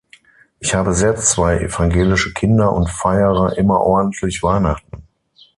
Ich habe selbst zwei evangelische Kinder und feiere immer ordentlich Weihnachten.